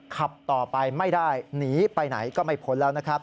ขับต่อไปไม่ได้หนีไปไหนก็ไม่ผลแล้ว